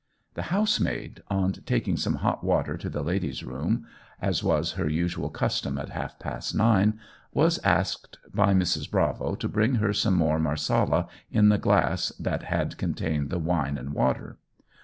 The housemaid, on taking some hot water to the ladies' room, as was her usual custom at half past nine, was asked by Mrs. Bravo to bring her some more Marsala in the glass that had contained the wine and water.